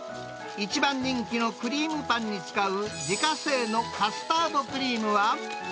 一番人気のクリームパンに使う自家製のカスタードクリームは。